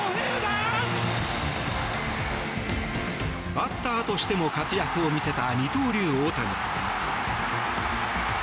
バッターとしても活躍を見せた二刀流・大谷。